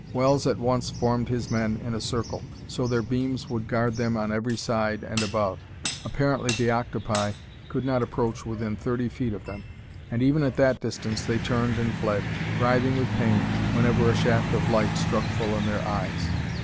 Wells at once formed his men in a circle, so their beams would guard them on every side and above. Apparently the octopi could not approach within thirty feet of them, and even at that distance they turned and fled, writhing with pain, whenever a shaft of light struck full in their eyes.